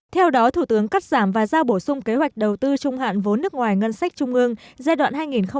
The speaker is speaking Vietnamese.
theo đó thủ tướng cắt giảm và giao bổ sung kế hoạch đầu tư trung hạn vốn nước ngoài ngân sách trung ương giai đoạn hai nghìn một mươi sáu hai nghìn hai mươi